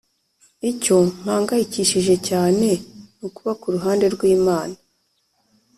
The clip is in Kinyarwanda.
icyo mpangayikishije cyane ni ukuba ku ruhande rw'imana,